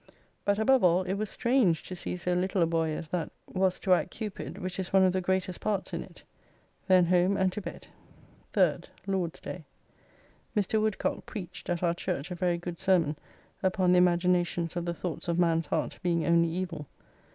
But above all it was strange to see so little a boy as that was to act Cupid, which is one of the greatest parts in it. Then home and to bed. 3rd (Lord's day): Mr. Woodcocke preached at our church a very good sermon upon the imaginacions of the thoughts of man's heart being only evil.